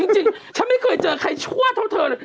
จริงฉันไม่เคยเจอใครชั่วเท่าเธอเลย